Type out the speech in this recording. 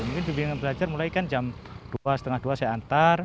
mungkin pembimbingan belajar mulai kan jam dua tiga puluh dua saya antar